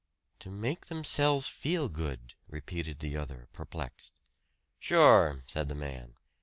"To make themselves feel good," repeated the other perplexed. "Sure!" said the man.